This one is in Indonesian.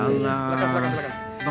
belakang belakang dimana